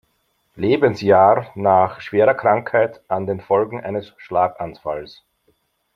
Lebensjahr nach schwerer Krankheit an den Folgen eines Schlaganfalls.